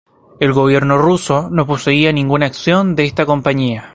El gobierno ruso no poseía ninguna acción de esta compañía.